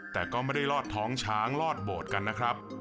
แต่ก็ไม่ได้ลอดท้องช้างลอดโบสถ์กันนะครับ